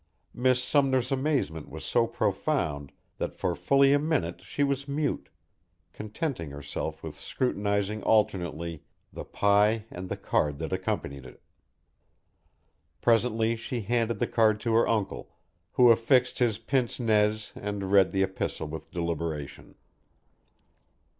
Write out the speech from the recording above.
Miss Sumner's amazement was so profound that for fully a minute she was mute, contenting herself with scrutinizing alternately the pie and the card that accompanied it. Presently she handed the card to her uncle, who affixed his pince nez and read the epistle with deliberation.